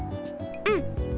うん！